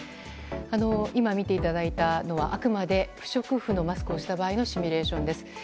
今見ていただいたのはあくまで不織布のマスクをした場合のシミュレーションです。